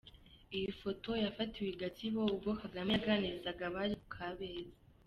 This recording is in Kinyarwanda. Iyi foto yafatiwe i Gatsibo ubwo Kagame yaganirizaga abari ku Kabeza.